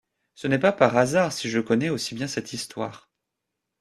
Ce n’est pas un hasard si je connais aussi bien cette histoire.